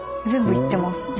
全部行ってます。